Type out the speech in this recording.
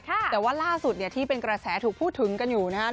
แต่ว่าล่าสุดเนี่ยที่เป็นกระแสถูกพูดถึงกันอยู่นะครับ